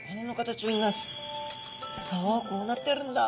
おこうなってるんだ。